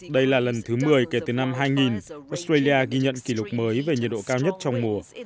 đây là lần thứ một mươi kể từ năm hai nghìn australia ghi nhận kỷ lục mới về nhiệt độ cao nhất trong mùa